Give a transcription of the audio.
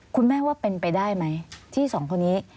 คุณแม่ว่าเป็นไปได้ไหมที่สองคนนี้